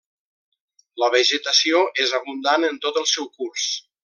La vegetació és abundant en tot el seu curs.